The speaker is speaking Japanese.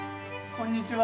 こんにちは。